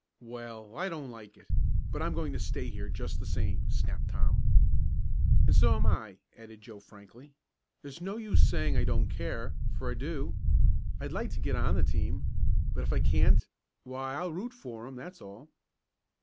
"Well, I don't like it, but I'm going to stay here just the same," snapped Tom. "And so am I," added Joe frankly. "There's no use saying I don't care, for I do. I'd like to get on the team. But if I can't why I'll root for 'em, that's all."